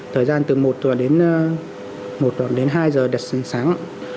thời gian từ một tuần đến hai giờ đặt sáng